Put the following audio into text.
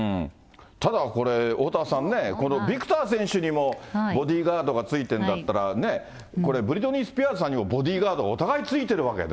ただこれ、おおたわさんね、このビクター選手にも、ボディーガードがついてるんだったら、ブリトニー・スピアーズさんにも、ボディーガード、お互いついてるわけで。